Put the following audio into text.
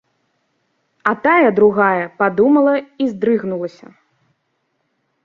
А тая, другая, падумала і здрыгнулася.